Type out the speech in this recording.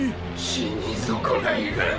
死に損ないが。